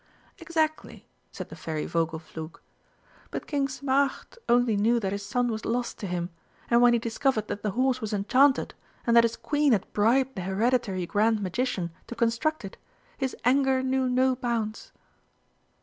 "Exactly," said the Fairy Vogelflug; "but King Smaragd only knew that his son was lost to him, and when he discovered that the horse was enchanted, and that his Queen had bribed the Hereditary Grand Magician to construct it, his anger knew no bounds."